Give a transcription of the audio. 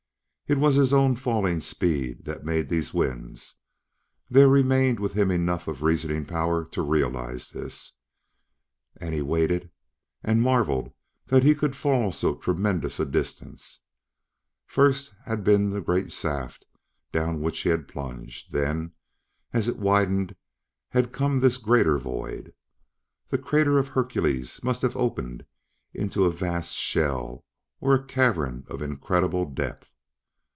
It was his own falling speed that made these winds; there remained with him enough of reasoning power to realize this. And he waited, and marveled that he could fall so tremendous a distance. First had been the great shaft down which he had plunged; then, as it widened, had come this greater void. The crater of Hercules must have opened, into a vast shell or a cavern of incredible depth.